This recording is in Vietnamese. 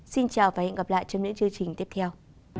xin chào và hẹn gặp lại trong những chương trình tiếp theo